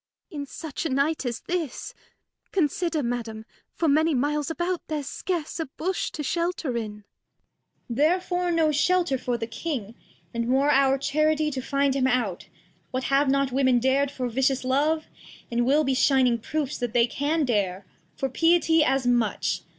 Ar. In such a Night as this ? Consider Madam, For many Miles ajbout there's scarce a Bush To shelter in. Cord. Therefore no shelter for the King, Act III] King Lear 211 And more our Charity to find him out : What have not Women dar'd for vicious Love ? And we'll be shining Proofs that they can dare For Piety as much.